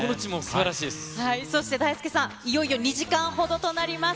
そして大輔さん、いよいよ２時間ほどとなります。